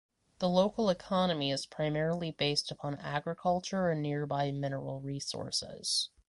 The local economy is primarily based upon agriculture and nearby mineral resources.